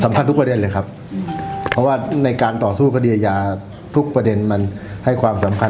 ทุกประเด็นเลยครับเพราะว่าในการต่อสู้คดีอาญาทุกประเด็นมันให้ความสำคัญ